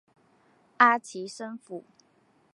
阿奇森府。